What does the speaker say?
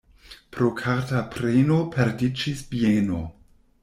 Pro karta preno perdiĝis bieno.